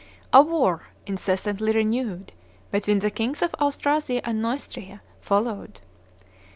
A war, incessantly renewed, between the kings of Austrasia and Neustria followed.